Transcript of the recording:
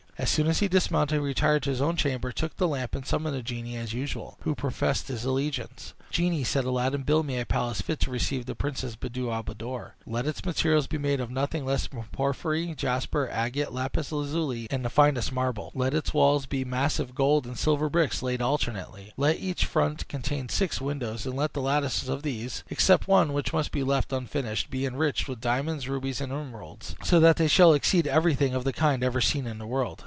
As soon as he dismounted, he retired to his own chamber, took the lamp, and summoned the genie as usual, who professed his allegiance. "Genie," said Aladdin, "build me a palace fit to receive the Princess Buddir al Buddoor. Let its materials be made of nothing less than porphyry, jasper, agate, lapis lazuli, and the finest marble. Let its walls be massive gold and silver bricks laid alternately. Let each front contain six windows, and let the lattices of these (except one, which must be left unfinished) be enriched with diamonds, rubies, and emeralds, so that they shall exceed everything of the kind ever seen in the world.